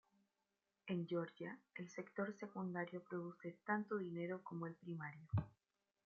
En Georgia el sector secundario produce tanto dinero como el primario.